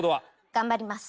頑張ります。